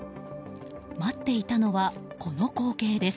待っていたのは、この光景です。